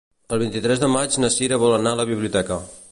El vint-i-tres de maig na Sira vol anar a la biblioteca.